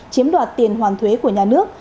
chiếm đoạt tiền hoàn thuế của nhà nước